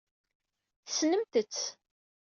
Tessnemt-tt.